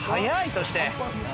そして。